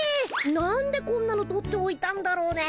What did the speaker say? なんでこんなの取っておいたんだろうね。